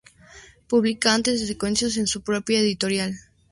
Publica antes "Secuencias" en su propia editorial.